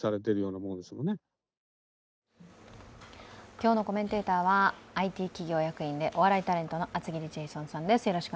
今日のコメンテーターはＩＴ企業役員でお笑いタレントの厚切りジェイソンさんです。